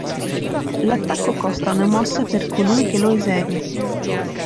L'attacco costa una mossa per colui che lo esegue.